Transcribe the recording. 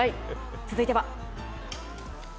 続いては。